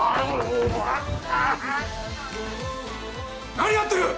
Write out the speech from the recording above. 何やってる！